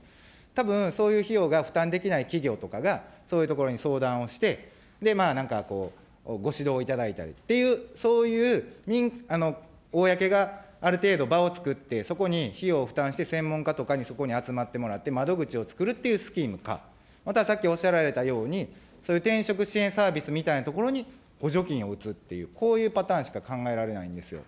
たぶん、そういう費用が負担できない企業とかが、そういうところに相談をして、なんかこう、ご指導いただいたりという、そういう公がある程度、場をつくって、そこに費用を負担して、専門家とかにそこに集まってもらって、窓口をつくるというスキームか、またさっきおっしゃられたように、そういう転職支援サービスみたいなところに補助金を打つっていう、こういうパターンしか考えられないんですよ。